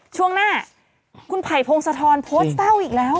ช่วงหน้าคุณไผ่พงศธรโพสต์เศร้าอีกแล้ว